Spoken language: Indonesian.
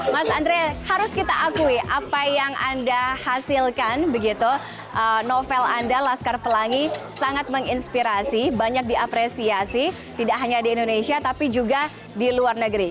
mas andre harus kita akui apa yang anda hasilkan begitu novel anda laskar pelangi sangat menginspirasi banyak diapresiasi tidak hanya di indonesia tapi juga di luar negeri